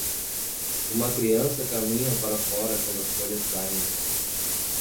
Uma criança caminha para fora quando as folhas caem.